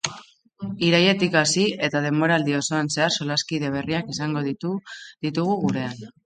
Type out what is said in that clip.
Irailetik hasi eta denboraldi osoan zehar, solaskide berriak izango ditugu gurean.